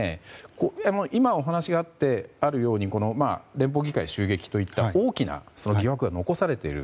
今、お話があったように連邦議会襲撃という大きな疑惑が残されている。